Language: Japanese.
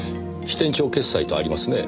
「支店長決済」とありますね。